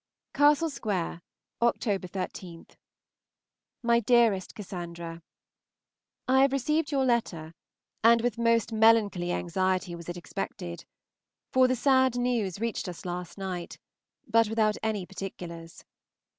CASTLE SQUARE, October 13. MY DEAREST CASSANDRA, I have received your letter, and with most melancholy anxiety was it expected, for the sad news reached us last night, but without any particulars.